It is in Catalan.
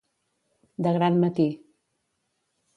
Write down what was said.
De gran matí.